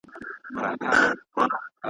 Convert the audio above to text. ورپسې مي اورېدلې له پوهانو .